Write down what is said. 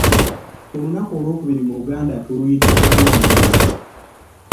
Olunaku olw'okubiri mu luganda luyitibwa Walumbe.